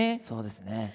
そうですね。